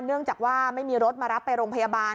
เนื่องจากว่าไม่มีรถมารับไปโรงพยาบาล